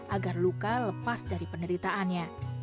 agar luka lepas dari penderitaannya